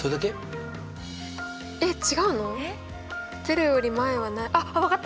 ０より前はないあっ分かった！